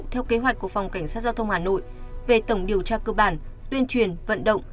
theo kế hoạch của phòng cảnh sát giao thông hà nội về tổng điều tra cơ bản tuyên truyền vận động